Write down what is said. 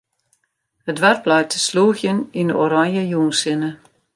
It doarp leit te slûgjen yn 'e oranje jûnssinne.